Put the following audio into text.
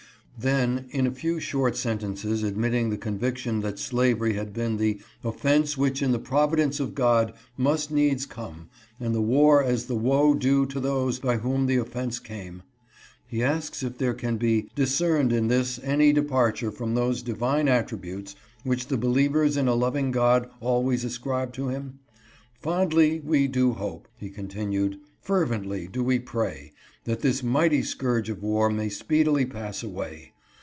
Then in a few short sentences admitting the con viction that slavery had been the "offense which in the providence of God must needs come, and the war as the woe due to those by whom the offense came," he asks if there can be " discerned in this any departure from those Divine attributes which the believers in a loving God always ascribe to him ? Fondly do we hope," he continued, "fervently do we pray, that this mighty scourge of war may speedily pass away.